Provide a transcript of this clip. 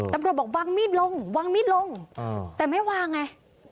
ตำรวจบอกวางมีดลงวางมีดลงแต่ไม่วางไง